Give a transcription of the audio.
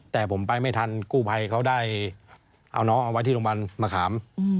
แต่ผมไปไม่ทันกู้ภัยเขาได้เอาน้องเอาไว้ที่โรงพยาบาลมะขาม